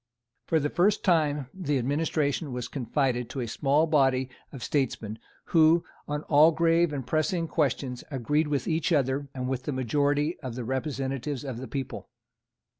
For the first time the administration was confided to a small body of statesmen, who, on all grave and pressing questions, agreed with each other and with the majority of the representatives of the people.